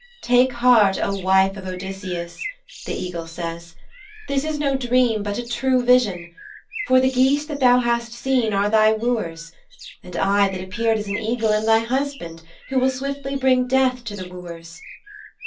"Take heart, O wife of Odysseus," the eagle says, "this is no dream but a true vision. For the geese that thou hast seen are thy wooers, and I, that appeared as an eagle, am thy husband who will swiftly bring death to the wooers."